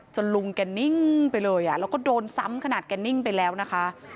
ลุงแกนิ่งไปเลยแล้วก็โดนซ้ำขนาดแกนิ่งไปแล้วนะคะ